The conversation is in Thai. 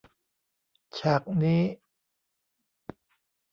ฉากนี้